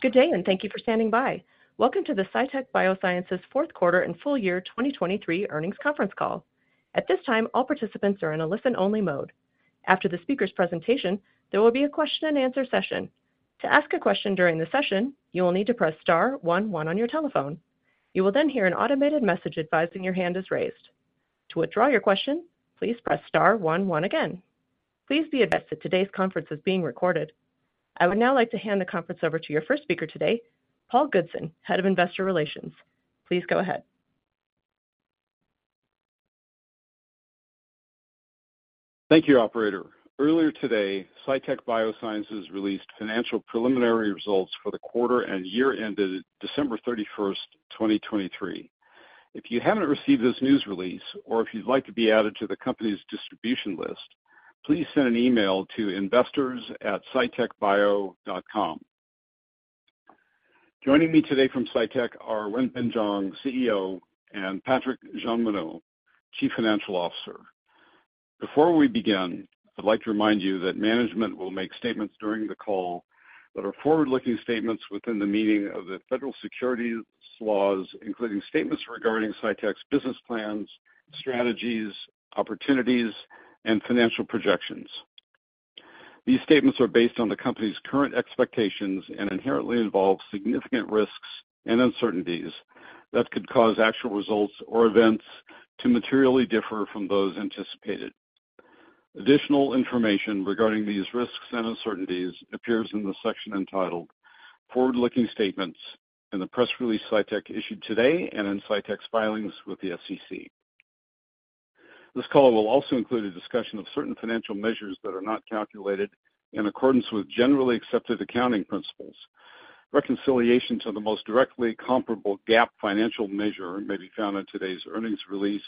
Good day, and thank you for standing by. Welcome to the Cytek Biosciences fourth quarter and full year 2023 Earnings Conference Call. At this time, all participants are in a listen-only mode. After the speaker's presentation, there will be a question-and-answer session. To ask a question during the session, you will need to press star one one on your telephone. You will then hear an automated message advising your hand is raised. To withdraw your question, please press star one one again. Please be advised that today's conference is being recorded. I would now like to hand the conference over to your first speaker today, Paul Goodson, Head of Investor Relations. Please go ahead. Thank you, operator. Earlier today, Cytek Biosciences released financial preliminary results for the quarter and year ended December 31st, 2023. If you haven't received this news release, or if you'd like to be added to the company's distribution list, please send an email to investors@cytekbio.com. Joining me today from Cytek are Wenbin Jiang, CEO, and Patrik Jeanmonod, Chief Financial Officer. Before we begin, I'd like to remind you that management will make statements during the call that are forward-looking statements within the meaning of the federal securities laws, including statements regarding Cytek's business plans, strategies, opportunities, and financial projections. These statements are based on the company's current expectations and inherently involve significant risks and uncertainties that could cause actual results or events to materially differ from those anticipated. Additional information regarding these risks and uncertainties appears in the section entitled "Forward-Looking Statements" in the press release Cytek issued today and in Cytek's filings with the SEC. This call will also include a discussion of certain financial measures that are not calculated in accordance with generally accepted accounting principles. Reconciliation to the most directly comparable GAAP financial measure may be found in today's earnings release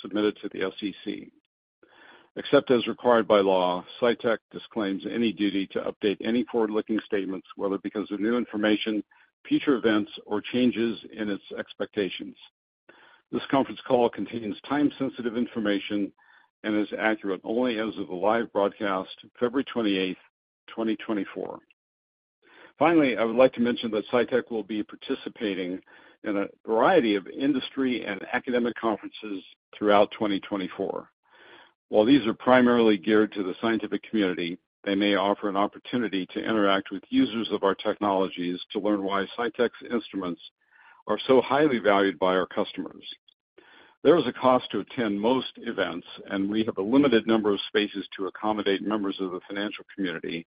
submitted to the SEC. Except as required by law, Cytek disclaims any duty to update any forward-looking statements, whether because of new information, future events, or changes in its expectations. This conference call contains time-sensitive information and is accurate only as of the live broadcast February 28th, 2024. Finally, I would like to mention that Cytek will be participating in a variety of industry and academic conferences throughout 2024. While these are primarily geared to the scientific community, they may offer an opportunity to interact with users of our technologies to learn why Cytek's instruments are so highly valued by our customers. There is a cost to attend most events, and we have a limited number of spaces to accommodate members of the financial community,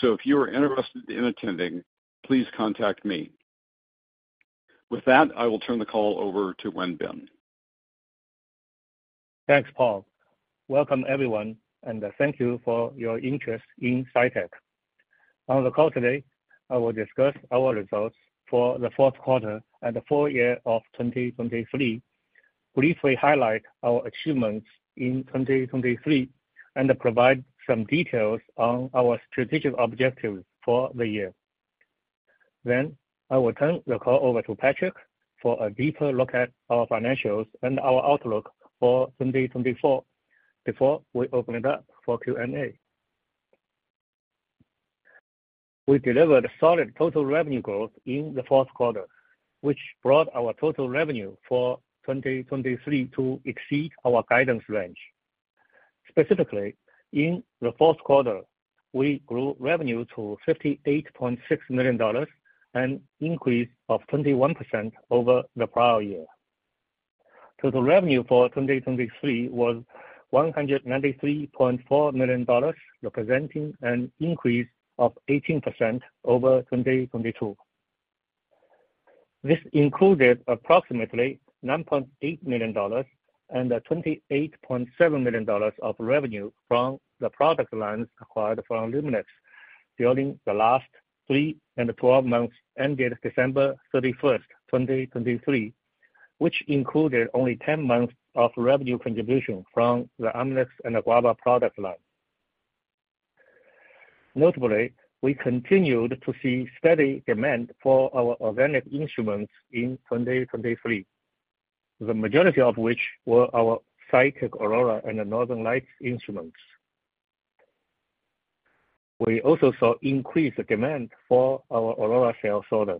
so if you are interested in attending, please contact me. With that, I will turn the call over to Wenbin. Thanks, Paul. Welcome, everyone, and thank you for your interest in Cytek. On the call today, I will discuss our results for the fourth quarter and the full year of 2023, briefly highlight our achievements in 2023, and provide some details on our strategic objectives for the year. Then I will turn the call over to Patrik for a deeper look at our financials and our outlook for 2024 before we open it up for Q&A. We delivered solid total revenue growth in the fourth quarter, which brought our total revenue for 2023 to exceed our guidance range. Specifically, in the fourth quarter, we grew revenue to $58.6 million, an increase of 21% over the prior year. Total revenue for 2023 was $193.4 million, representing an increase of 18% over 2022. This included approximately $9.8 million and $28.7 million of revenue from the product lines acquired from Luminex during the last three and 12 months ended December 31st, 2023, which included only 10 months of revenue contribution from the Amnis and Guava product line. Notably, we continued to see steady demand for our organic instruments in 2023, the majority of which were our Cytek Aurora and Northern Lights instruments. We also saw increased demand for our Aurora cell sorter.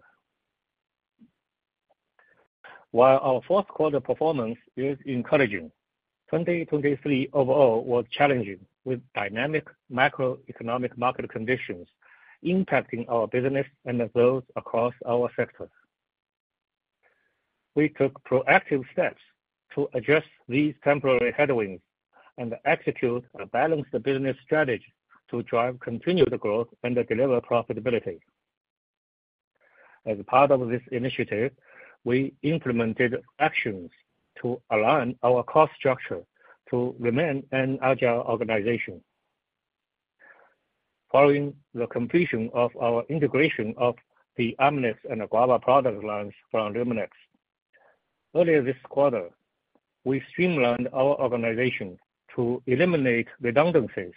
While our fourth quarter performance is encouraging, 2023 overall was challenging with dynamic macroeconomic market conditions impacting our business and those across our sectors. We took proactive steps to address these temporary headwinds and execute a balanced business strategy to drive continued growth and deliver profitability. As part of this initiative, we implemented actions to align our cost structure to remain an agile organization. Following the completion of our integration of the Amnis and Guava product lines from Luminex earlier this quarter, we streamlined our organization to eliminate redundancies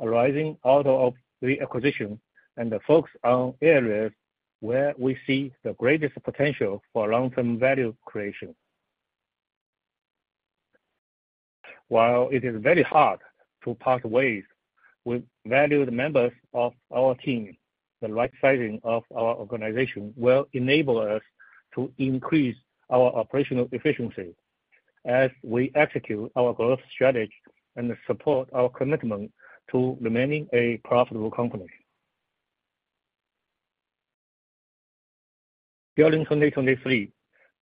arising out of the acquisition and focus on areas where we see the greatest potential for long-term value creation. While it is very hard to part ways, we value the members of our team. The right sizing of our organization will enable us to increase our operational efficiency as we execute our growth strategy and support our commitment to remaining a profitable company. During 2023,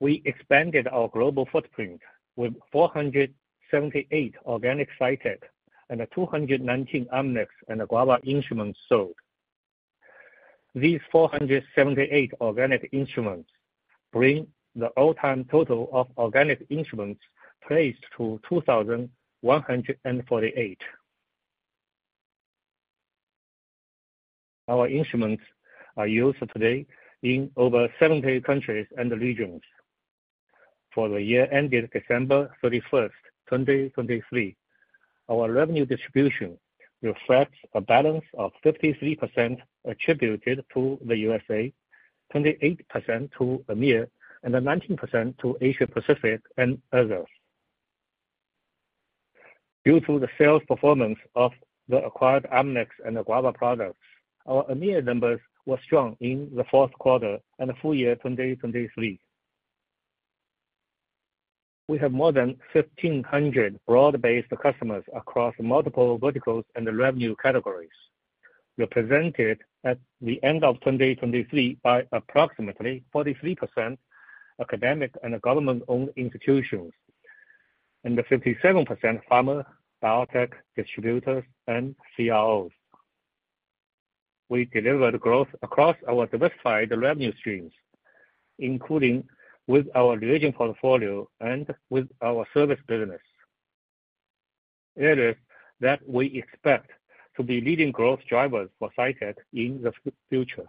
we expanded our global footprint with 478 organic Cytek and 219 Amnis and Guava instruments sold. These 478 organic instruments bring the all-time total of organic instruments placed to 2,148. Our instruments are used today in over 70 countries and regions. For the year ended December 31st, 2023, our revenue distribution reflects a balance of 53% attributed to the USA, 28% to EMEA, and 19% to Asia Pacific and others. Due to the sales performance of the acquired Amnis and Guava products, our EMEA numbers were strong in the fourth quarter and full year 2023. We have more than 1,500 broad-based customers across multiple verticals and revenue categories, represented at the end of 2023 by approximately 43% academic and government-owned institutions and 57% pharma biotech distributors and CROs. We delivered growth across our diversified revenue streams, including with our division portfolio and with our service business. Areas that we expect to be leading growth drivers for Cytek in the future.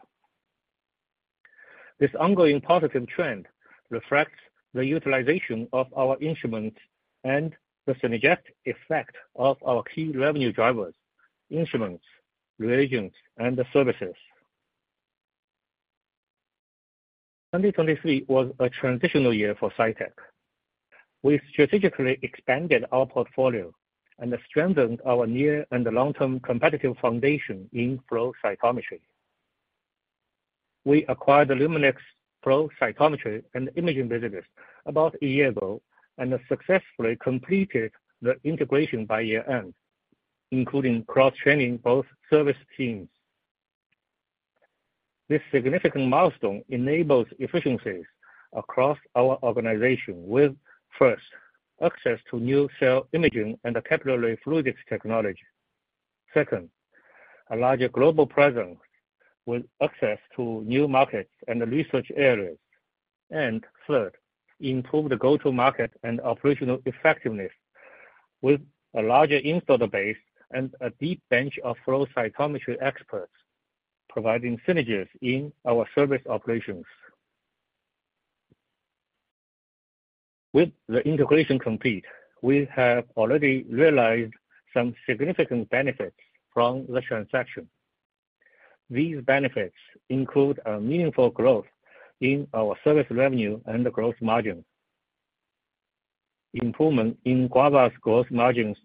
This ongoing positive trend reflects the utilization of our instruments and the synergistic effect of our key revenue drivers: instruments, regions, and services. 2023 was a transitional year for Cytek. We strategically expanded our portfolio and strengthened our near and long-term competitive foundation in flow cytometry. We acquired Luminex flow cytometry and imaging business about a year ago and successfully completed the integration by year-end, including cross-training both service teams. This significant milestone enables efficiencies across our organization with, first, access to new cell imaging and capillary fluids technology, second, a larger global presence with access to new markets and research areas, and third, improved go-to-market and operational effectiveness with a larger installer base and a deep bench of flow cytometry experts, providing synergies in our service operations. With the integration complete, we have already realized some significant benefits from the transaction. These benefits include meaningful growth in our service revenue and growth margin, improvement in Guava's gross margins,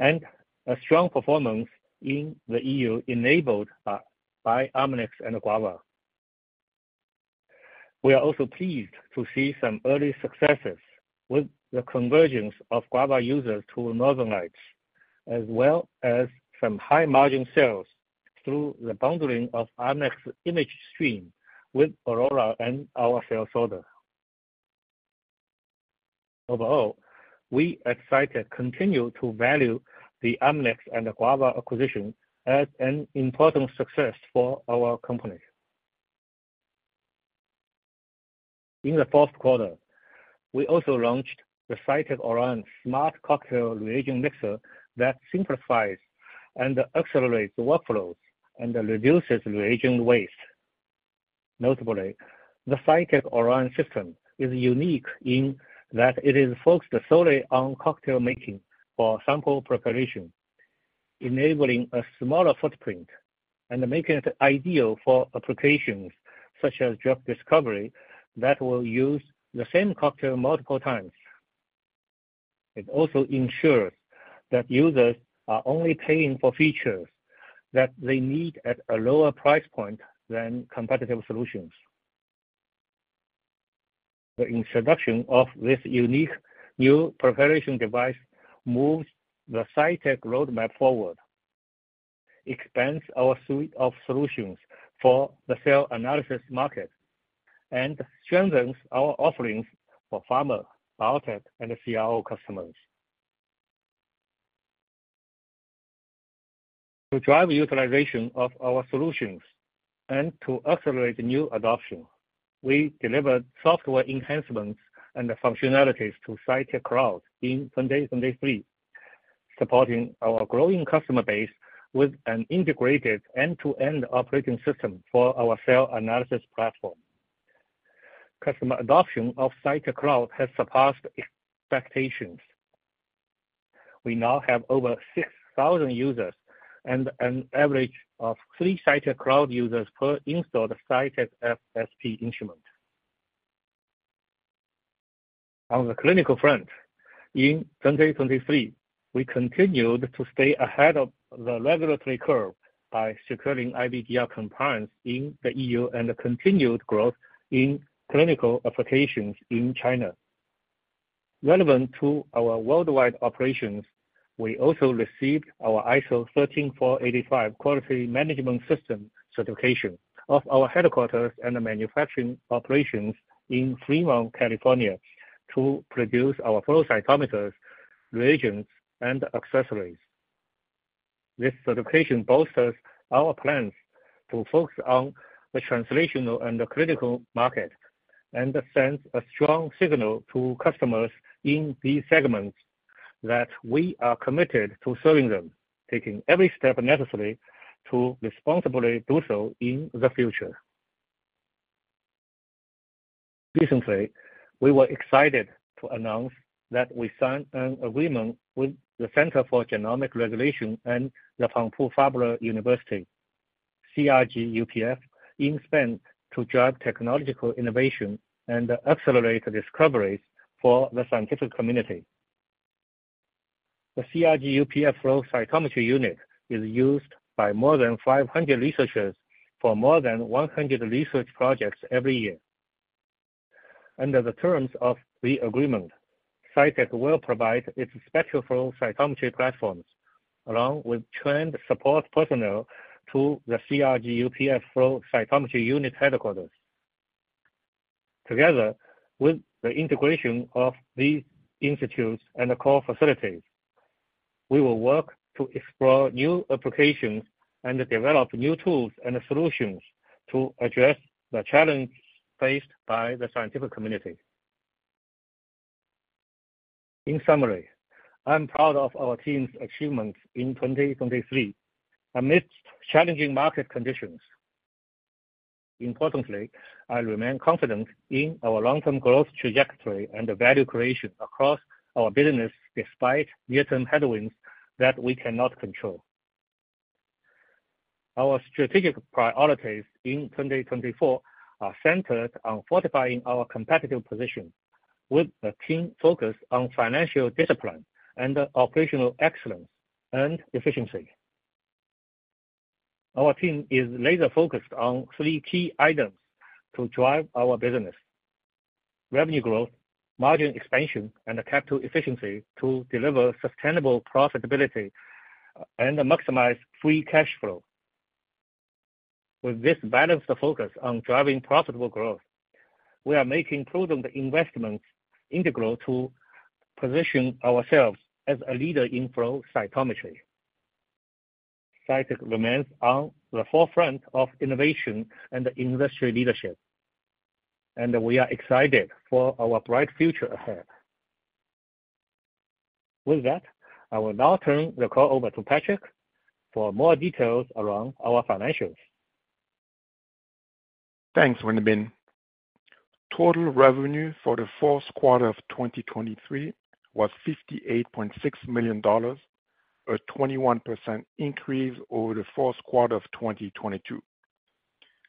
and a strong performance in the EU enabled by Amnis and Guava. We are also pleased to see some early successes with the conversions of Guava users to Northern Lights, as well as some high-margin sales through the bundling of Amnis ImageStream with Aurora and our cell sorter. Overall, we at Cytek continue to value the Amnis and Guava acquisition as an important success for our company. In the fourth quarter, we also launched the Cytek Orion Smart Cocktail Reagent Mixer that simplifies and accelerates workflows and reduces reagent waste. Notably, the Cytek Orion system is unique in that it is focused solely on cocktail making for sample preparation, enabling a smaller footprint and making it ideal for applications such as drug discovery that will use the same cocktail multiple times. It also ensures that users are only paying for features that they need at a lower price point than competitive solutions. The introduction of this unique new preparation device moves the Cytek roadmap forward, expands our suite of solutions for the cell analysis market, and strengthens our offerings for pharma, biotech, and CRO customers. To drive utilization of our solutions and to accelerate new adoption, we delivered software enhancements and functionalities to Cytek Cloud in 2023, supporting our growing customer base with an integrated end-to-end operating system for our cell analysis platform. Customer adoption of Cytek Cloud has surpassed expectations. We now have over 6,000 users and an average of three Cytek Cloud users per installed Cytek FSP instrument. On the clinical front, in 2023, we continued to stay ahead of the regulatory curve by securing IVDR compliance in the E.U. and continued growth in clinical applications in China. Relevant to our worldwide operations, we also received our ISO 13485 Quality Management System certification of our headquarters and manufacturing operations in Fremont, California, to produce our flow cytometers, reagents, and accessories. This certification bolsters our plans to focus on the translational and the clinical market and sends a strong signal to customers in these segments that we are committed to serving them, taking every step necessary to responsibly do so in the future. Recently, we were excited to announce that we signed an agreement with the Centre for Genomic Regulation and the Universitat Pompeu Fabra, CRG UPF, in Spain to drive technological innovation and accelerate discoveries for the scientific community. The CRG UPF flow cytometry unit is used by more than 500 researchers for more than 100 research projects every year. Under the terms of the agreement, Cytek will provide its Spectral Flow Cytometry platforms along with trained support personnel to the CRG UPF Flow Cytometry unit headquarters. Together with the integration of these institutes and core facilities, we will work to explore new applications and develop new tools and solutions to address the challenges faced by the scientific community. In summary, I'm proud of our team's achievements in 2023 amidst challenging market conditions. Importantly, I remain confident in our long-term growth trajectory and value creation across our business despite near-term headwinds that we cannot control. Our strategic priorities in 2024 are centered on fortifying our competitive position with a keen focus on financial discipline and operational excellence and efficiency. Our team is laser-focused on three key items to drive our business: revenue growth, margin expansion, and capital efficiency to deliver sustainable profitability and maximize free cash flow. With this balanced focus on driving profitable growth, we are making prudent investments integral to position ourselves as a leader in flow cytometry. Cytek remains on the forefront of innovation and industry leadership, and we are excited for our bright future ahead. With that, I will now turn the call over to Patrik for more details around our financials. Thanks, Wenbin. Total revenue for the fourth quarter of 2023 was $58.6 million, a 21% increase over the fourth quarter of 2022.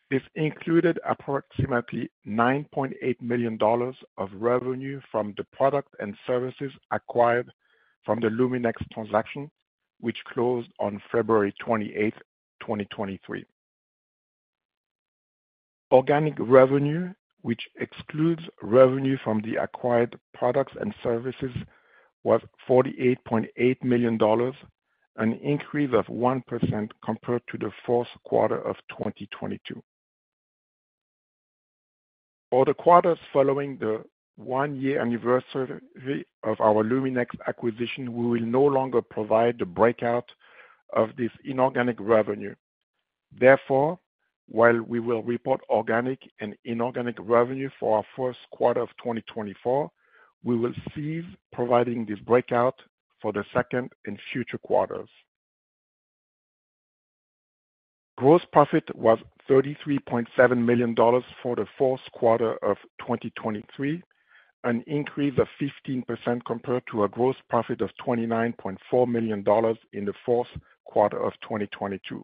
This included approximately $9.8 million of revenue from the product and services acquired from the Luminex transaction, which closed on February 28th, 2023. Organic revenue, which excludes revenue from the acquired products and services, was $48.8 million, an increase of 1% compared to the fourth quarter of 2022. For the quarters following the one-year anniversary of our Luminex acquisition, we will no longer provide the breakout of this inorganic revenue. Therefore, while we will report organic and inorganic revenue for our first quarter of 2024, we will cease providing this breakout for the second and future quarters. Gross profit was $33.7 million for the fourth quarter of 2023, an increase of 15% compared to a gross profit of $29.4 million in the fourth quarter of 2022.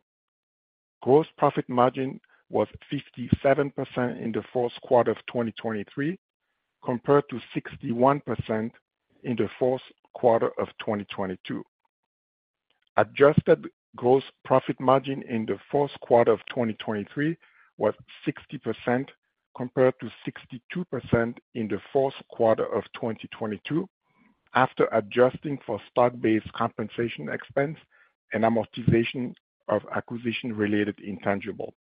Gross profit margin was 57% in the fourth quarter of 2023 compared to 61% in the fourth quarter of 2022. Adjusted gross profit margin in the fourth quarter of 2023 was 60% compared to 62% in the fourth quarter of 2022 after adjusting for stock-based compensation expense and amortization of acquisition-related intangibles.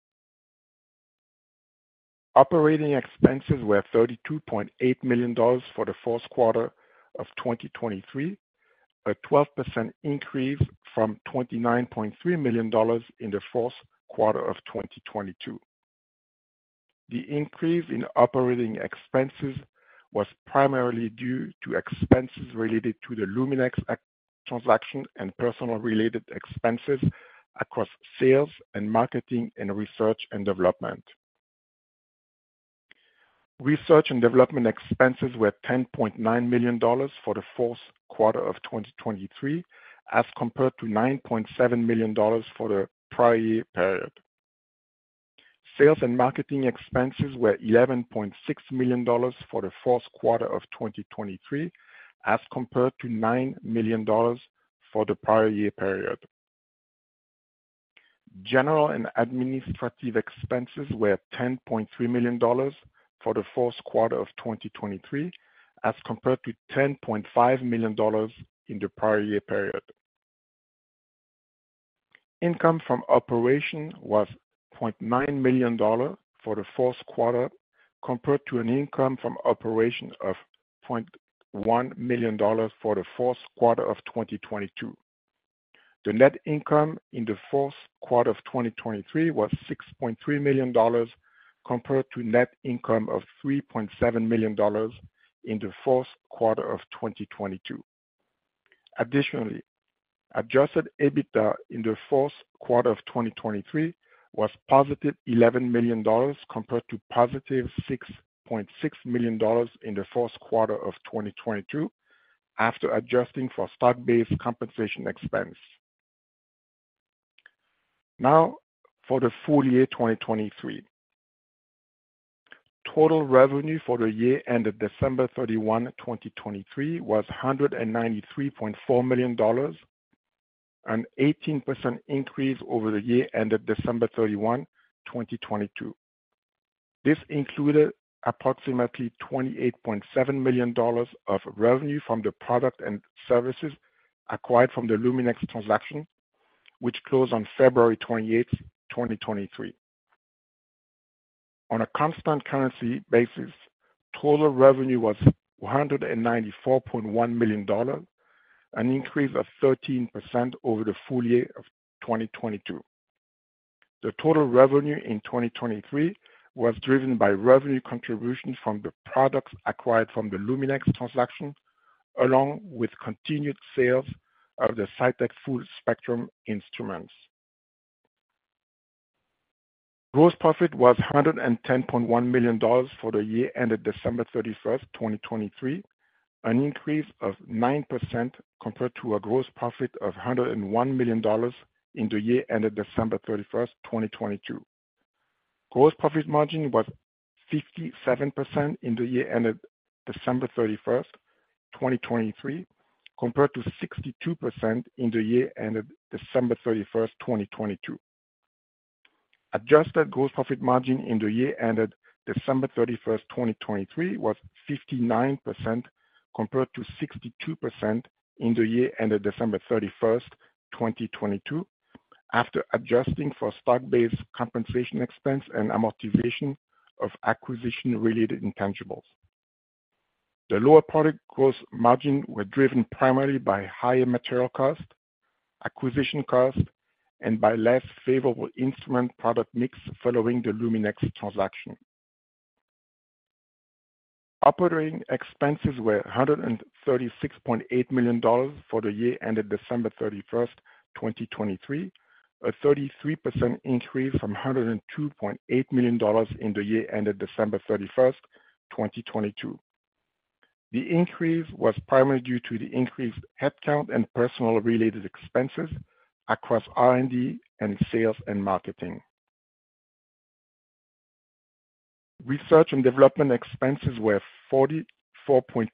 Operating expenses were $32.8 million for the fourth quarter of 2023, a 12% increase from $29.3 million in the fourth quarter of 2022. The increase in operating expenses was primarily due to expenses related to the Luminex transaction and personnel-related expenses across sales and marketing and research and development. Research and development expenses were $10.9 million for the fourth quarter of 2023 as compared to $9.7 million for the prior year period. Sales and marketing expenses were $11.6 million for the fourth quarter of 2023 as compared to $9 million for the prior year period. General and administrative expenses were $10.3 million for the fourth quarter of 2023 as compared to $10.5 million in the prior year period. Income from operation was $0.9 million for the fourth quarter compared to an income from operation of $0.1 million for the fourth quarter of 2022. The net income in the fourth quarter of 2023 was $6.3 million compared to net income of $3.7 million in the fourth quarter of 2022. Additionally, Adjusted EBITDA in the fourth quarter of 2023 was positive $11 million compared to positive $6.6 million in the fourth quarter of 2022 after adjusting for stock-based compensation expense. Now, for the full year 2023, total revenue for the year ended December 31, 2023, was $193.4 million, an 18% increase over the year ended December 31, 2022. This included approximately $28.7 million of revenue from the product and services acquired from the Luminex transaction, which closed on February 28th, 2023. On a constant currency basis, total revenue was $194.1 million, an increase of 13% over the full year of 2022. The total revenue in 2023 was driven by revenue contributions from the products acquired from the Luminex transaction along with continued sales of the Cytek full-spectrum instruments. Gross profit was $110.1 million for the year ended December 31st, 2023, an increase of 9% compared to a gross profit of $101 million in the year ended December 31st, 2022. Gross profit margin was 57% in the year ended December 31st, 2023 compared to 62% in the year ended December 31st, 2022. Adjusted gross profit margin in the year ended December 31st, 2023, was 59% compared to 62% in the year ended December 31st, 2022 after adjusting for stock-based compensation expense and amortization of acquisition-related intangibles. The lower product gross margin was driven primarily by higher material cost, acquisition cost, and by less favorable instrument product mix following the Luminex transaction. Operating expenses were $136.8 million for the year ended December 31st, 2023, a 33% increase from $102.8 million in the year ended December 31st, 2022. The increase was primarily due to the increased headcount and personnel-related expenses across R&D and sales and marketing. Research and development expenses were $44.2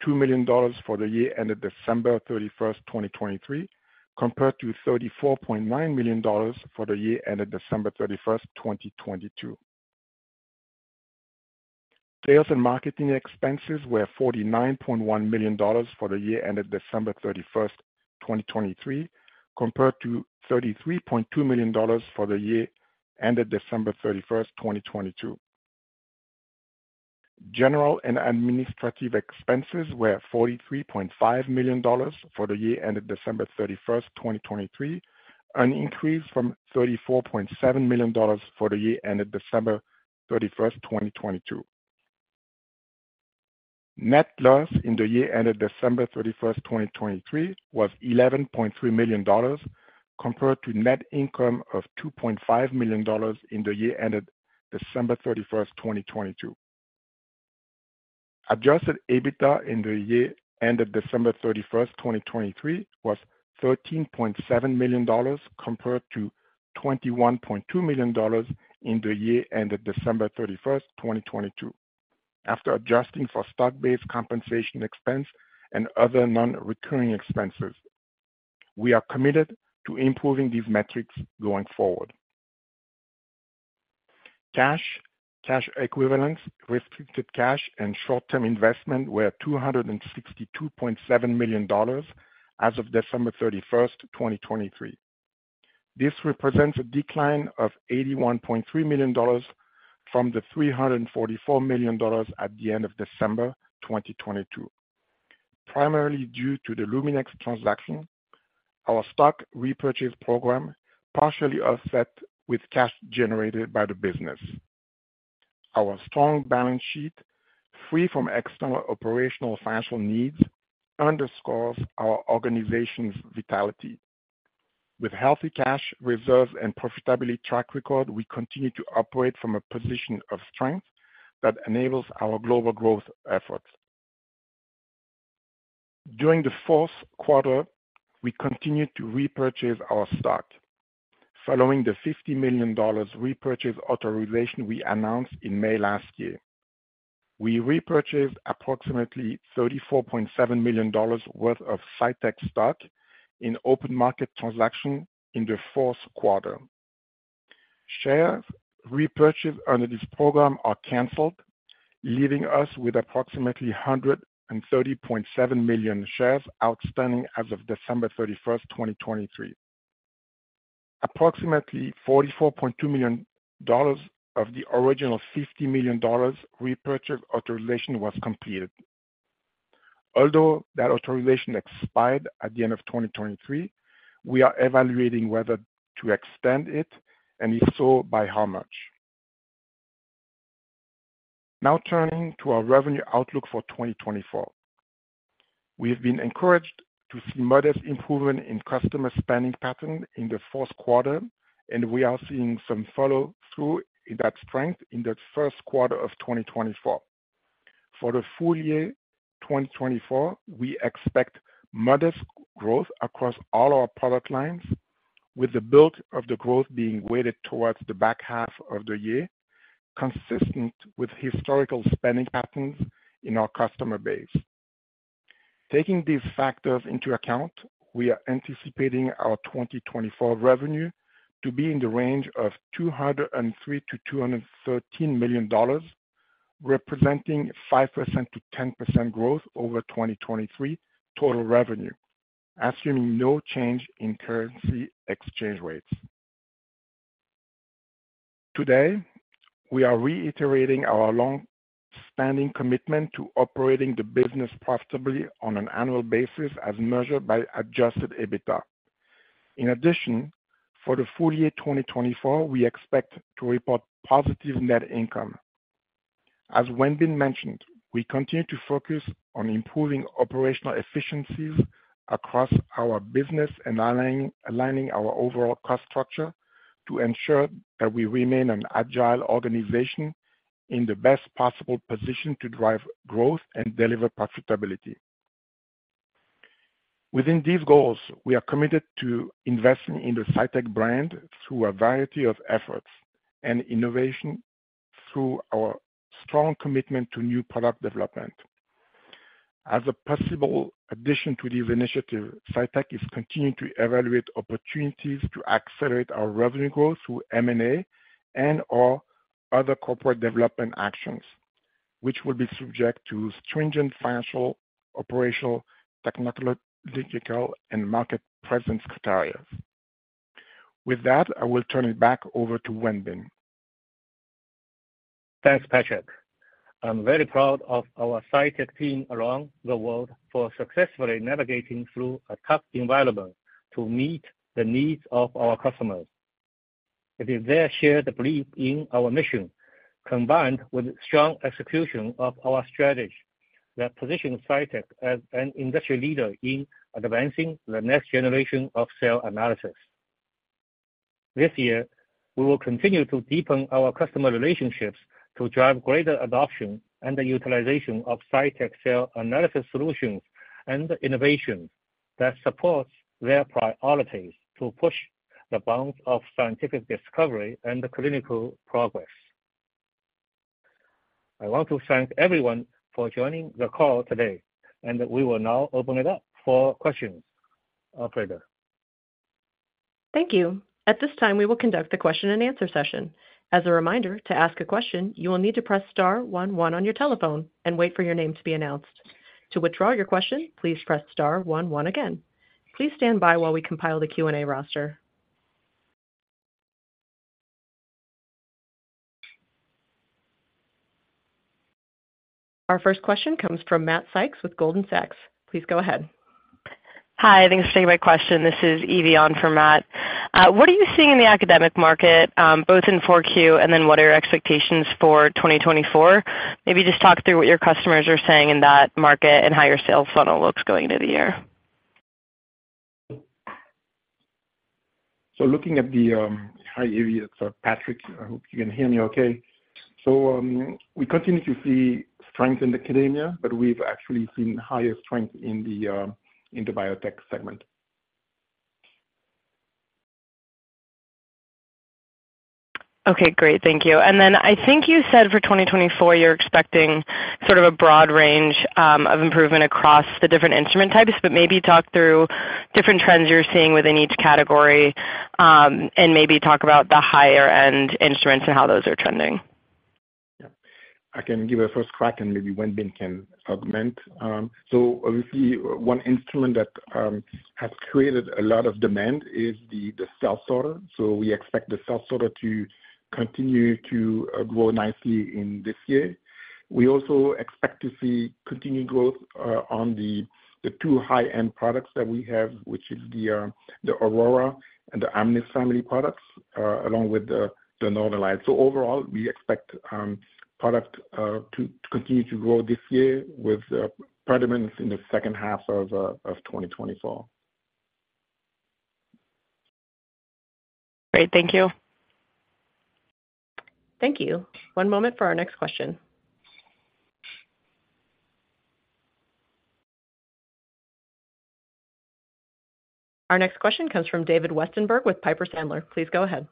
million for the year ended December 31st, 2023 compared to $34.9 million for the year ended December 31st, 2022. Sales and marketing expenses were $49.1 million for the year ended December 31st, 2023 compared to $33.2 million for the year ended December 31st, 2022. General and administrative expenses were $43.5 million for the year ended December 31st, 2023, an increase from $34.7 million for the year ended December 31st, 2022. Net loss in the year ended December 31st, 2023, was $11.3 million compared to net income of $2.5 million in the year ended December 31st, 2022. Adjusted EBITDA in the year ended December 31st, 2023, was $13.7 million compared to $21.2 million in the year ended December 31st, 2022 after adjusting for stock-based compensation expense and other non-recurring expenses. We are committed to improving these metrics going forward. Cash, cash equivalents, restricted cash, and short-term investment were $262.7 million as of December 31st, 2023. This represents a decline of $81.3 million from the $344 million at the end of December 2022, primarily due to the Luminex transaction, our stock repurchase program partially offset with cash generated by the business. Our strong balance sheet, free from external operational financial needs, underscores our organization's vitality. With healthy cash reserves and profitability track record, we continue to operate from a position of strength that enables our global growth efforts. During the fourth quarter, we continued to repurchase our stock following the $50 million repurchase authorization we announced in May last year. We repurchased approximately $34.7 million worth of Cytek stock in open market transaction in the fourth quarter. Shares repurchased under this program are canceled, leaving us with approximately 130.7 million shares outstanding as of December 31st, 2023. Approximately $44.2 million of the original $50 million repurchase authorization was completed. Although that authorization expired at the end of 2023, we are evaluating whether to extend it and if so, by how much. Now turning to our revenue outlook for 2024. We have been encouraged to see modest improvement in customer spending pattern in the fourth quarter, and we are seeing some follow-through in that strength in the first quarter of 2024. For the full year 2024, we expect modest growth across all our product lines, with the bulk of the growth being weighted towards the back half of the year, consistent with historical spending patterns in our customer base. Taking these factors into account, we are anticipating our 2024 revenue to be in the range of $203 million-$213 million, representing 5%-10% growth over 2023 total revenue, assuming no change in currency exchange rates. Today, we are reiterating our long-standing commitment to operating the business profitably on an annual basis as measured by Adjusted EBITDA. In addition, for the full year 2024, we expect to report positive net income. As Wenbin mentioned, we continue to focus on improving operational efficiencies across our business and aligning our overall cost structure to ensure that we remain an agile organization in the best possible position to drive growth and deliver profitability. Within these goals, we are committed to investing in the Cytek brand through a variety of efforts and innovation through our strong commitment to new product development. As a possible addition to this initiative, Cytek is continuing to evaluate opportunities to accelerate our revenue growth through M&A and/or other corporate development actions, which will be subject to stringent financial, operational, technological, and market presence criteria. With that, I will turn it back over to Wenbin. Thanks, Patrik. I'm very proud of our Cytek team around the world for successfully navigating through a tough environment to meet the needs of our customers. It is their shared belief in our mission, combined with strong execution of our strategy that positions Cytek as an industry leader in advancing the next generation of cell analysis. This year, we will continue to deepen our customer relationships to drive greater adoption and utilization of Cytek cell analysis solutions and innovations that support their priorities to push the bounds of scientific discovery and clinical progress. I want to thank everyone for joining the call today, and we will now open it up for questions. Operator. Thank you. At this time, we will conduct the question-and-answer session. As a reminder, to ask a question, you will need to press star one one on your telephone and wait for your name to be announced. To withdraw your question, please press star one one again. Please stand by while we compile the Q&A roster. Our first question comes from Matt Sykes with Goldman Sachs. Please go ahead. Hi. Thanks for taking my question. This is Evie on for Matt. What are you seeing in the academic market, both in 4Q and then what are your expectations for 2024? Maybe just talk through what your customers are saying in that market and how your sales funnel looks going into the year. Hi, Evie. So, Patrik, I hope you can hear me okay. So, we continue to see strength in academia, but we've actually seen higher strength in the biotech segment. Okay. Great. Thank you. Then I think you said for 2024, you're expecting sort of a broad range of improvement across the different instrument types, but maybe talk through different trends you're seeing within each category and maybe talk about the higher-end instruments and how those are trending. Yeah. I can give a first crack, and maybe Wenbin can augment. So obviously, one instrument that has created a lot of demand is the cell sorter. So we expect the cell sorter to continue to grow nicely in this year. We also expect to see continued growth on the two high-end products that we have, which is the Aurora and the Amnis family products, along with the Northern Lights. So overall, we expect product to continue to grow this year with predominance in the second half of 2024. Great. Thank you. Thank you. One moment for our next question. Our next question comes from David Westenberg with Piper Sandler. Please go ahead.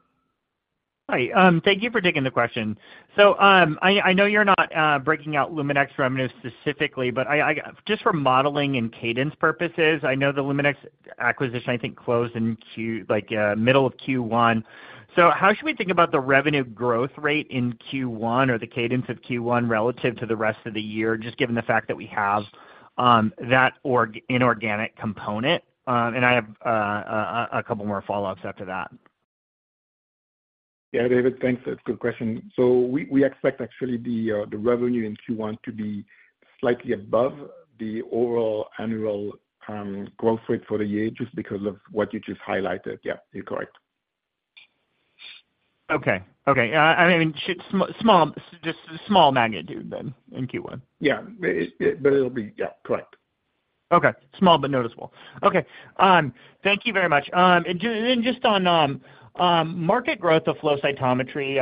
Hi. Thank you for taking the question. So I know you're not breaking out Luminex revenue specifically, but just for modeling and cadence purposes, I know the Luminex acquisition, I think, closed in middle of Q1. So how should we think about the revenue growth rate in Q1 or the cadence of Q1 relative to the rest of the year, just given the fact that we have that inorganic component? And I have a couple more follow-ups after that. Yeah, David, thanks. That's a good question. We expect, actually, the revenue in Q1 to be slightly above the overall annual growth rate for the year just because of what you just highlighted. Yeah, you're correct. Okay. Okay. I mean, just a small magnitude then in Q1. Yeah. But it'll be yeah, correct. Okay. Small but noticeable. Okay. Thank you very much. And then just on market growth of flow cytometry,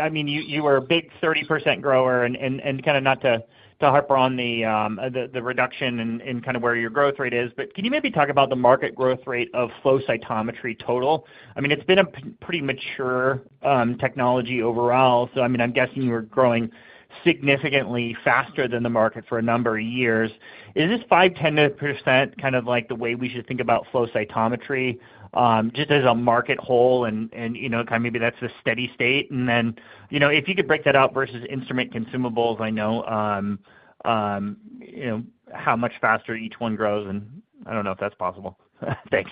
I mean, you were a big 30% grower and kind of not to harp on the reduction in kind of where your growth rate is, but can you maybe talk about the market growth rate of flow cytometry total? I mean, it's been a pretty mature technology overall. So I mean, I'm guessing you were growing significantly faster than the market for a number of years. Is this 5%-10% kind of the way we should think about flow cytometry just as a market whole, and kind of maybe that's the steady state? And then if you could break that up versus instrument consumables, I know how much faster each one grows, and I don't know if that's possible. Thanks.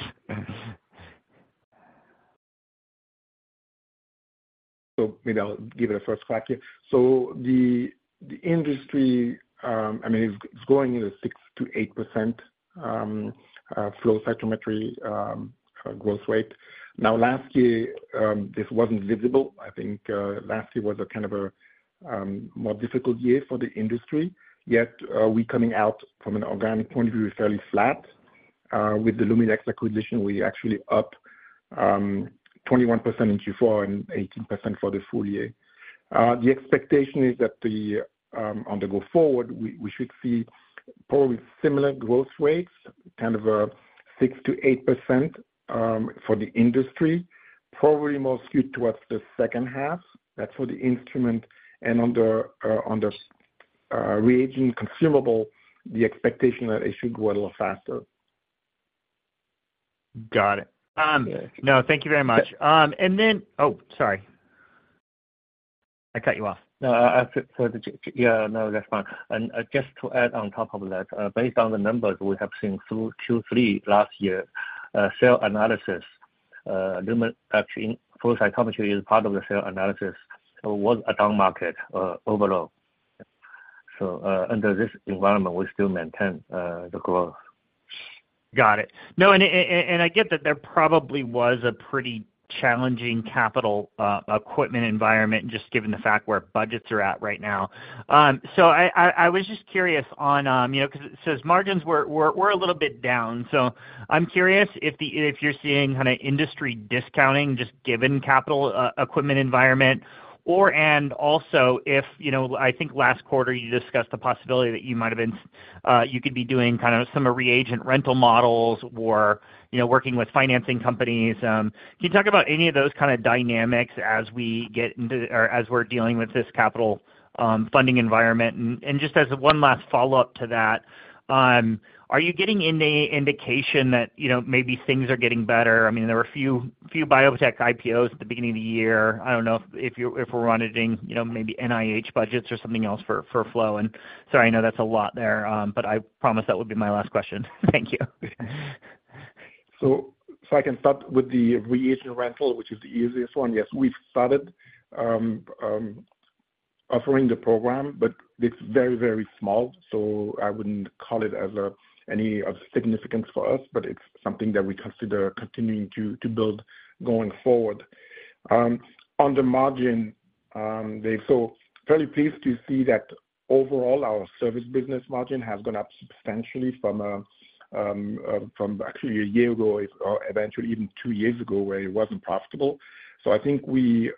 So maybe I'll give it a first crack here. So the industry, I mean, it's growing in a 6%-8% flow cytometry growth rate. Now, last year, this wasn't visible. I think last year was kind of a more difficult year for the industry. Yet, we coming out from an organic point of view, fairly flat. With the Luminex acquisition, we actually upped 21% in Q4 and 18% for the full year. The expectation is that on the go forward, we should see probably similar growth rates, kind of a 6%-8% for the industry, probably more skewed towards the second half. That's for the instrument. And on the reagent consumable, the expectation that it should grow a little faster. Got it. No, thank you very much. And then, oh, sorry. I cut you off. No, I said for the year, yeah, no, that's fine. And just to add on top of that, based on the numbers we have seen through Q3 last year, cell analysis, actually, flow cytometry is part of the cell analysis. It was a down market overall. So under this environment, we still maintain the growth. Got it. No, and I get that there probably was a pretty challenging capital equipment environment, just given the fact where budgets are at right now. So I was just curious on because it says margins were a little bit down. So I'm curious if you're seeing kind of industry discounting, just given capital equipment environment, and also if I think last quarter, you discussed the possibility that you could be doing kind of some of reagent rental models or working with financing companies. Can you talk about any of those kind of dynamics as we get into or as we're dealing with this capital funding environment? And just as one last follow-up to that, are you getting any indication that maybe things are getting better? I mean, there were a few biotech IPOs at the beginning of the year. I don't know if we're auditing maybe NIH budgets or something else for flow. And sorry, I know that's a lot there, but I promise that would be my last question. Thank you. So I can start with the reagent rental, which is the easiest one. Yes, we've started offering the program, but it's very, very small. So I wouldn't call it as any of significance for us, but it's something that we consider continuing to build going forward. On the margin, Dave, so fairly pleased to see that overall, our service business margin has gone up substantially from actually a year ago, eventually even two years ago, where it wasn't profitable. So I think we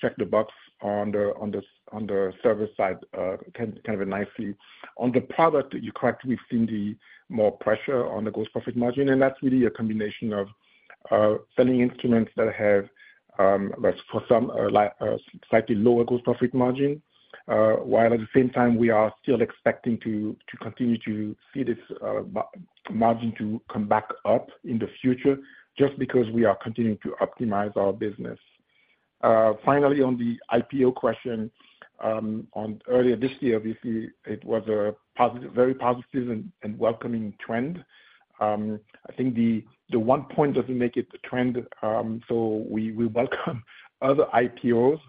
checked the box on the service side kind of nicely. On the product, you're correct. We've seen more pressure on the gross profit margin. That's really a combination of selling instruments that have for some a slightly lower gross profit margin, while at the same time, we are still expecting to continue to see this margin come back up in the future just because we are continuing to optimize our business. Finally, on the IPO question, earlier this year, obviously, it was a very positive and welcoming trend. I think the one point doesn't make it a trend. So we welcome other IPOs,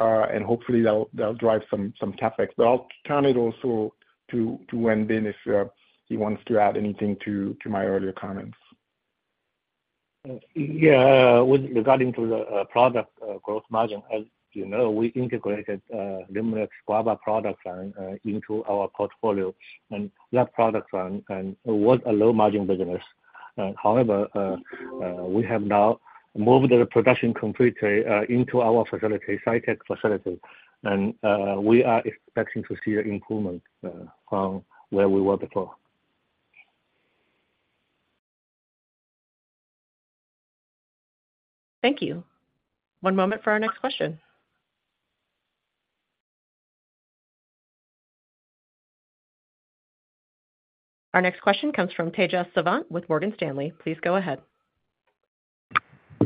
and hopefully, they'll drive some CapEx. But I'll turn it also to Wenbin if he wants to add anything to my earlier comments. Yeah. Regarding the product gross margin, as you know, we integrated Luminex Guava products into our portfolio. And that product was a low-margin business. However, we have now moved the production completely into our facility, Cytek facility. And we are expecting to see an improvement from where we were before. Thank you. One moment for our next question. Our next question comes from Tejas Savant with Morgan Stanley. Please go ahead.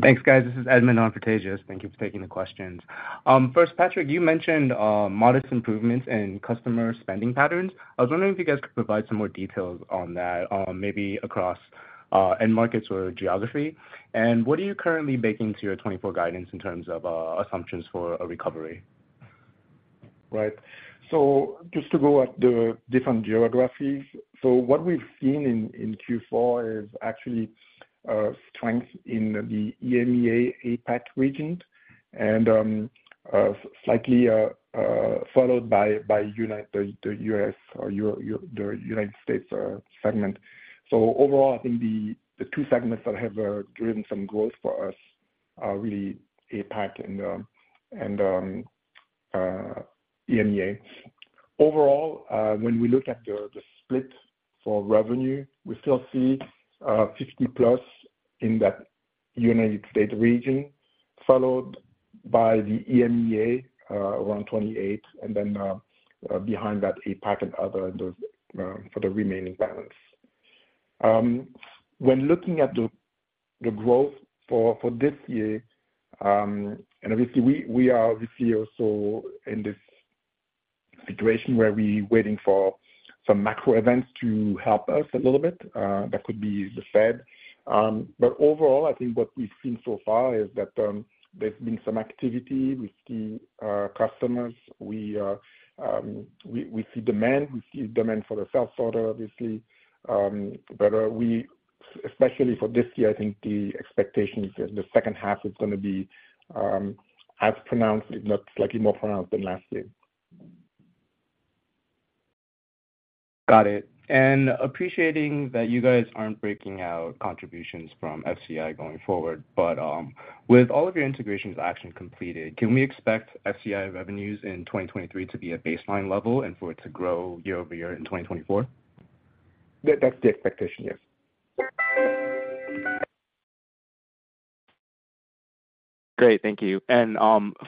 Thanks, guys. This is Edmund on for Tejas. Thank you for taking the questions. First, Patrik, you mentioned modest improvements in customer spending patterns. I was wondering if you guys could provide some more details on that, maybe across end markets or geography. And what are you currently baking into your 2024 guidance in terms of assumptions for a recovery? Right. So just to go at the different geographies, so what we've seen in Q4 is actually strength in the EMEA APAC region and slightly followed by the US or the United States segment. So overall, I think the two segments that have driven some growth for us are really APAC and EMEA. Overall, when we look at the split for revenue, we still see 50+ in that United States region, followed by the EMEA around 28, and then behind that, APAC and other for the remaining balance. When looking at the growth for this year, and obviously, we are obviously also in this situation where we're waiting for some macro events to help us a little bit. That could be the Fed. But overall, I think what we've seen so far is that there's been some activity with the customers. We see demand. We see demand for the cell sorter, obviously. But especially for this year, I think the expectation is that the second half is going to be as pronounced, if not slightly more pronounced than last year. Got it. Appreciating that you guys aren't breaking out contributions from FCI going forward, but with all of your integrations actually completed, can we expect FCI revenues in 2023 to be at baseline level and for it to grow year-over-year in 2024? That's the expectation, yes. Great. Thank you. And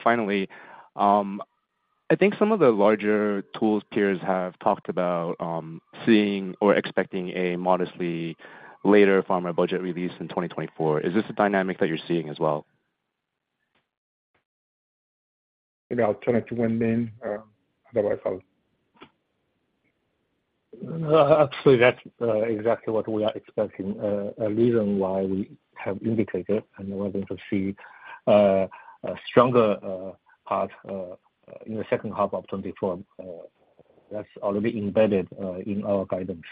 finally, I think some of the larger tools peers have talked about seeing or expecting a modestly later formal budget release in 2024. Is this a dynamic that you're seeing as well? Maybe I'll turn it to Wenbin. Otherwise, I'll. Absolutely. That's exactly what we are expecting, a reason why we have indicated. We're going to see a stronger part in the second half of 2024. That's already embedded in our guidance.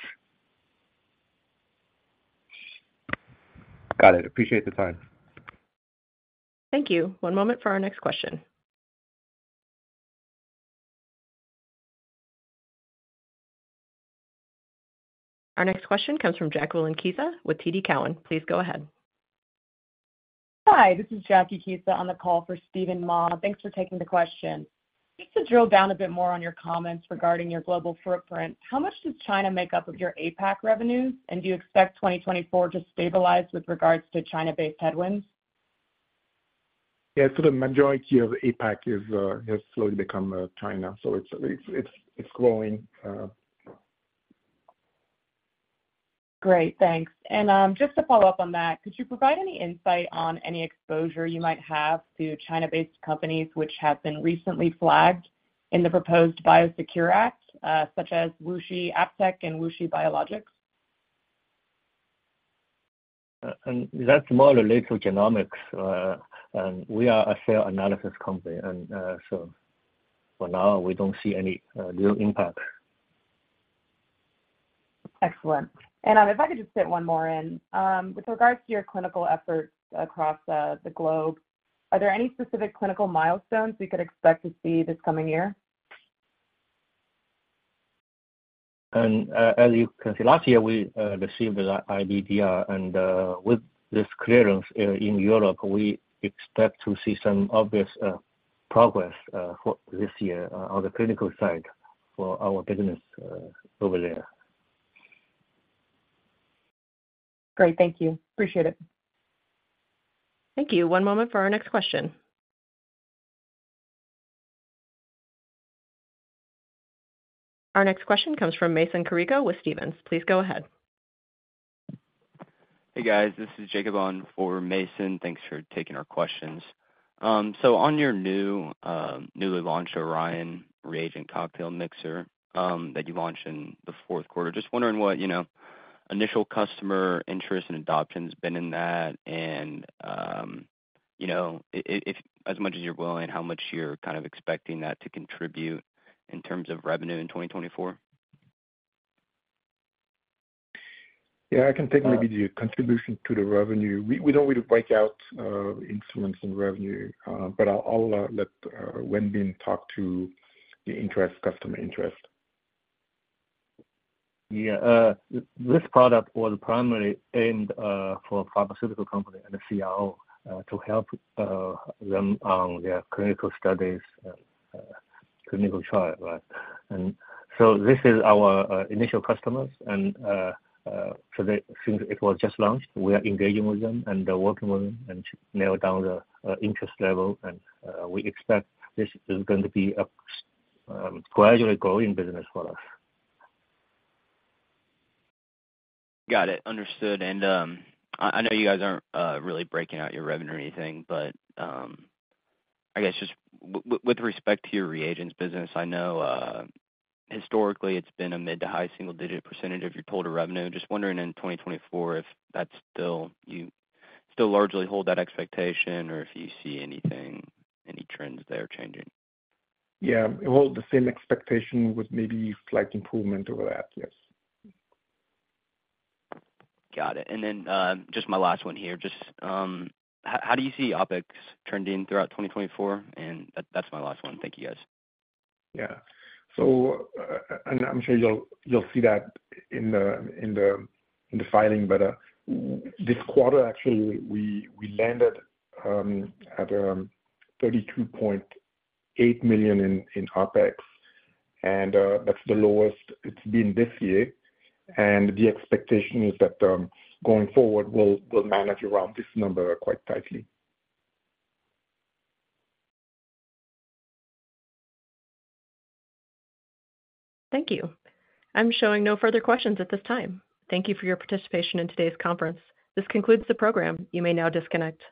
Got it. Appreciate the time. Thank you. One moment for our next question. Our next question comes from Jacqueline Kisa with TD Cowen. Please go ahead. Hi. This is Jacqueline Kisa on the call for Steven Mah. Thanks for taking the question. Just to drill down a bit more on your comments regarding your global footprint, how much does China make up of your APAC revenues? And do you expect 2024 to stabilize with regards to China-based headwinds? Yeah. So the majority of APAC has slowly become China. So it's growing. Great. Thanks. And just to follow up on that, could you provide any insight on any exposure you might have to China-based companies which have been recently flagged in the proposed Biosecure Act, such as WuXi AppTec and WuXi Biologics? That's more related to genomics. And we are a cell analysis company. And so for now, we don't see any real impact. Excellent. And if I could just fit one more in, with regards to your clinical efforts across the globe, are there any specific clinical milestones we could expect to see this coming year? As you can see, last year, we received the IVDR. With this clearance in Europe, we expect to see some obvious progress this year on the clinical side for our business over there. Great. Thank you. Appreciate it. Thank you. One moment for our next question. Our next question comes from Mason Carrico with Stephens. Please go ahead. Hey, guys. This is Jacob on for Mason. Thanks for taking our questions. So on your newly launched Orion reagent cocktail mixer that you launched in the fourth quarter, just wondering what initial customer interest and adoption has been in that. And as much as you're willing, how much you're kind of expecting that to contribute in terms of revenue in 2024? Yeah. I can think maybe the contribution to the revenue. We don't really break out influence in revenue, but I'll let Wenbin talk to the interest, customer interest. Yeah. This product was primarily aimed for a pharmaceutical company and a CRO to help them on their clinical studies, clinical trial, right? And so this is our initial customers. And since it was just launched, we are engaging with them and working with them and nail down the interest level. And we expect this is going to be a gradually growing business for us. Got it. Understood. I know you guys aren't really breaking out your revenue or anything, but I guess just with respect to your reagents business, I know historically, it's been a mid- to high single-digit % of your total revenue. Just wondering in 2024 if you still largely hold that expectation or if you see any trends there changing. Yeah. Well, the same expectation with maybe slight improvement over that, yes. Got it. And then just my last one here, just how do you see OpEx trending throughout 2024? And that's my last one. Thank you, guys. Yeah. And I'm sure you'll see that in the filing, but this quarter, actually, we landed at $32.8 million in OpEx. And that's the lowest it's been this year. And the expectation is that going forward, we'll manage around this number quite tightly. Thank you. I'm showing no further questions at this time. Thank you for your participation in today's conference. This concludes the program. You may now disconnect.